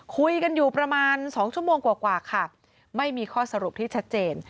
คุยกันอยู่ประมาณ๒ชั่วโมงกว่าค่ะไม่มีข้อสรุปที่ชัดเจน